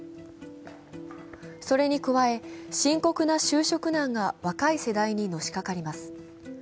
それに加え、深刻な就職難が若い世代にのしかかります。